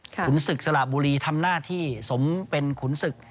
ขุนศึกสระบุรีทำหน้าที่สมเป็นขุนศึก